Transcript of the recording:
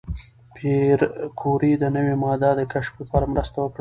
پېیر کوري د نوې ماده د کشف لپاره مرسته وکړه.